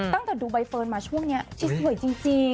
ตั้งแต่ดูใบเฟิร์นมาช่วงนี้ชิดสวยจริง